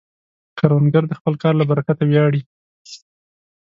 کروندګر د خپل کار له برکته ویاړي